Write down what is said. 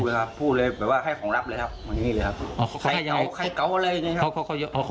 พูดเลยครับพูดเลยหมายความว่าให้ของรับเลยครับ